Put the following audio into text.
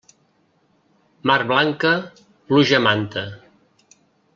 Mar blanca, pluja a manta.